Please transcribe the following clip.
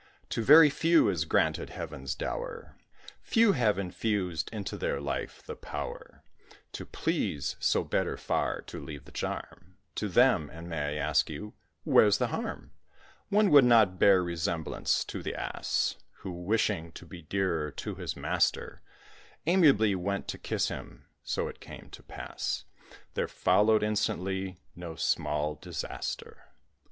To very few is granted Heaven's dower Few have infused into their life the power To please, so better far to leave the charm To them. And may I ask you, where's the harm? One would not bear resemblance to the Ass, Who wishing to be dearer to his master, Amiably went to kiss him; so it came to pass There followed instantly no small disaster.